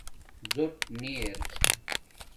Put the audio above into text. زݸٹ نی ار